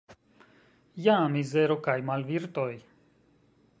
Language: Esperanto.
Ja mizero kaj malvirtoj.